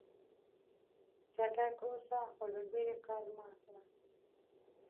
چټک اوسه خو له بیړې کار مه اخله.